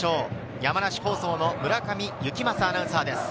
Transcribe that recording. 山梨放送の村上幸政アナウンサーです。